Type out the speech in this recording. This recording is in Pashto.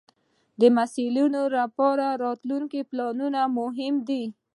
د محصل لپاره راتلونکې پلانول مهم دی.